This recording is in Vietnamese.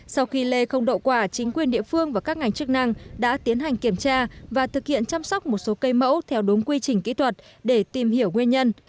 sau khi lê không đậu quả chính quyền địa phương và các ngành chức năng đã tiến hành kiểm tra và thực hiện chăm sóc một số cây mẫu theo đúng quy trình kỹ thuật để tìm hiểu nguyên nhân